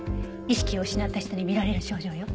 意識を失った人に見られる症状よ。